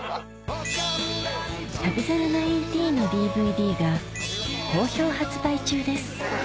『旅猿１９』のＤＶＤが好評発売中です